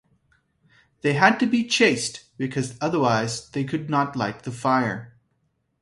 They had to be chaste, because otherwise they could not light the fire.